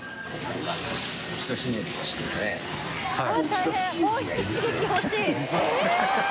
大変もうひと刺激ほしい